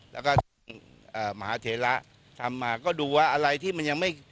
แล้วก็มหาเทระทำมาก็ดูว่าอะไรที่มันยังไม่